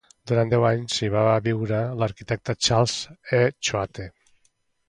Durant deu anys hi va viure l'arquitecte Charles E. Choate.